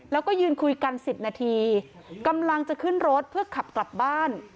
แล้วก็ยืนคุยกัน๑๐นาทีกำลังจะขึ้นรถเพื่อขับกลับบ้าน